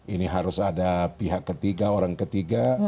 ini harus ada pihak ketiga orang ketiga